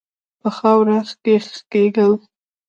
په خاوره کښې خښېدل